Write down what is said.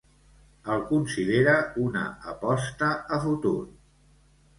El considera una 'aposta a futur'.